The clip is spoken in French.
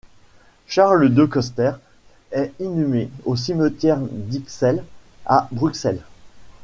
Charles De Coster est inhumé au cimetière d'Ixelles, à Bruxelles.